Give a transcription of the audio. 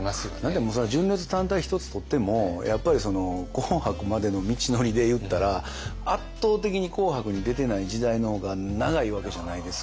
そりゃ純烈単体１つとってもやっぱり「紅白」までの道のりでいったら圧倒的に「紅白」に出てない時代の方が長いわけじゃないですか。